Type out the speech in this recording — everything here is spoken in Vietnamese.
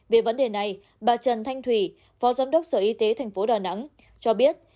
về vấn đề này bà trần thanh thủy phó giám đốc sở y tế tp đà nẵng cho biết